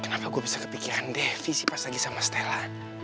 kenapa gue bisa kepikiran devi sih pas lagi sama stella